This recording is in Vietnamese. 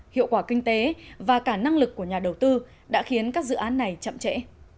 hiệu quả kinh tế và cả năng lực của nhà đầu tư đã khiến các dự án này chậm trễ